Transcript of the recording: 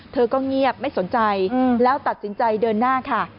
เธอก็เงียบไม่สนใจแล้วตัดสินใจเดินหน้าค่ะ